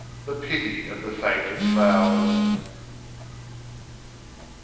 the pity of the fate of flowers